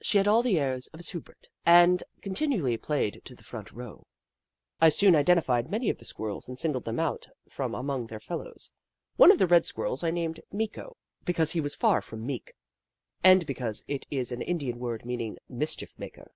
She had all the airs of a sou brette and continually played to the front row. I soon identified many of the Squirrels and sinorled them out from amongr their fellows. One of the red Squirrels I named *' Meeko," because he was far from meek, and because it is an Indian word meaning " mischief maker."